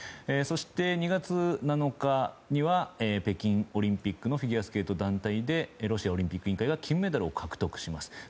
そして、２月７日には北京オリンピックのフィギュアスケート団体でロシアオリンピック委員会が金メダルを獲得します。